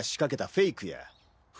フェイク？